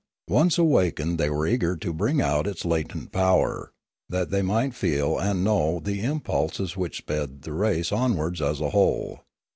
Once awakened they were eager to bring out its latent power, that they might feel and know the impulses which sped the race onwards as .a whole.